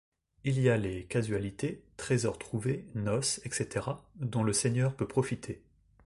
Il y a les « casualités, trésors trouvés, noces, etc., dont le seigneur peut profiter ».